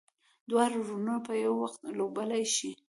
دواړه رولونه په یو وخت لوبولی شي.